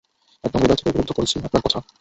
একদম হৃদয় থেকে উপলদ্ধি করেছি আপনার কথা!